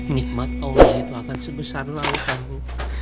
nikmat allah itu akan sebesar lautan bu